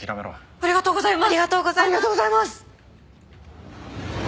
ありがとうございます！